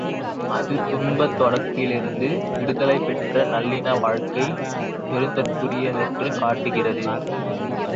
அது துன்பத் தொடக்கிலிருந்து விடுதலை பெற்று நல்லின்ப வாழ்க்கை பெறுதற்குறியதென்று காட்டுகிறது.